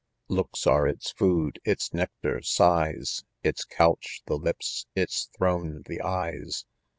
Looks are its food, its nectar sighs, Its couch the lips, its throne the eyes.